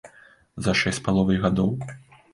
За шэсць з паловай гадоў?